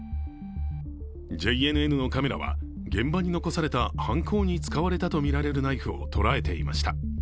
ＪＮＮのカメラは、現場に残された犯行に使われたとみられるナイフを捉えていました。